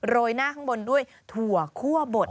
ยหน้าข้างบนด้วยถั่วคั่วบด